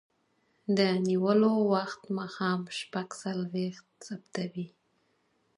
د نیولو وخت ماښام شپږ څلویښت ثبتوي.